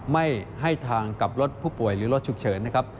ไม่ให้ทางกับรถผู้ป่วยหรือรถฉุกเฉินนะครับ